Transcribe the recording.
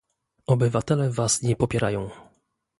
Obywatele was nie popierają